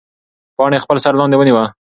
پاڼې خپل سر لاندې ونیوه.